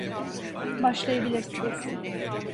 Başlayabilirsiniz.